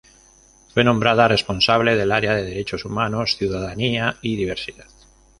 Fue nombrada responsable del área de Derechos Humanos, Ciudadanía y Diversidad.